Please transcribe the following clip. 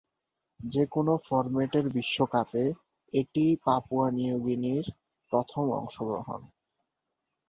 যেকোনও ফরম্যাটের বিশ্বকাপে এটিই পাপুয়া নিউ গিনির প্রথম অংশগ্রহণ।